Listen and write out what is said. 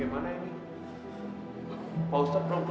tidak ada yang bisa dihubungi dengan saya